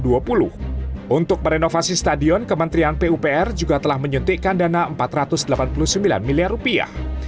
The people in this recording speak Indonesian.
untuk merenovasi stadion kementerian pupr juga telah menyuntikkan dana empat ratus delapan puluh sembilan miliar rupiah